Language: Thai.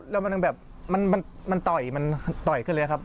แล้วมันแบบมันต่อยมันต่อยขึ้นเลยครับ